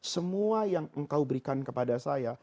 semua yang engkau berikan kepada saya